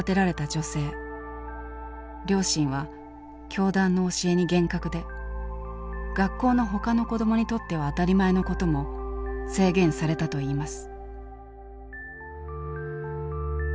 両親は教団の教えに厳格で学校の他の子どもにとっては当たり前のことも制限されたといいます。